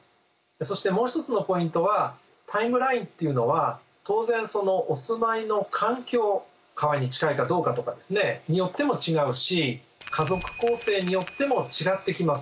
そしてもう一つのポイントはタイムラインっていうのは当然お住まいの環境川に近いかどうかとかですねによっても違うし家族構成によっても違ってきます。